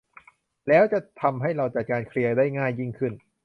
แล้วจะทำให้เราจัดการเคลียร์ได้ง่ายยิ่งขึ้น